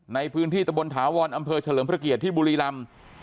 ในพื้นที่ตะบนถาวรอำเภอเฉลิมพระเกียรติที่บุรีรำ